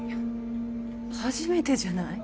初めてじゃない？